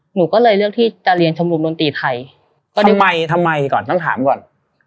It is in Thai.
หนูก็เลยเลือกที่จะเรียนชมรมดนตรีไทยตอนนี้ใหม่ทำไมก่อนต้องถามก่อน